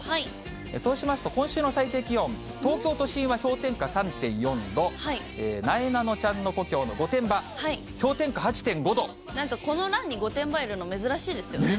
そうしますと、今週の最低気温、東京都心は氷点下３．４度、なえなのちゃんの故郷の御殿場、なんかこの欄に御殿場いるの珍しい。